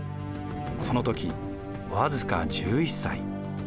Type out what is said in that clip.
この時僅か１１歳。